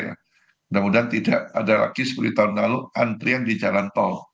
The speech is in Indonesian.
mudah mudahan tidak ada lagi seperti tahun lalu antrian di jalan tol